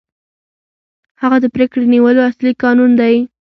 هغه د پرېکړې نیولو اصلي کانون دی.